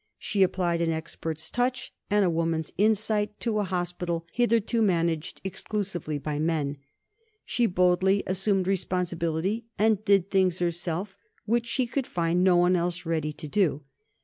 She applied an expert's touch and a woman's insight to a hospital hitherto managed exclusively by men. She boldly assumed responsibility, and did things herself which she could find no one else ready to do.